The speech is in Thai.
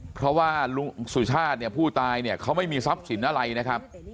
เพราะว่าลุงสุชาติเนี่ยผู้ตายเนี่ยเขาไม่มีทรัพย์สินอะไรนะครับ